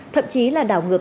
thậm chí là đào ngược